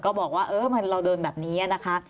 ก็บอกว่าเราโดนแบบนี้นะคะ